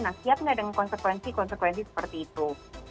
nah siap nggak dengan konsekuensi konsekuensi seperti itu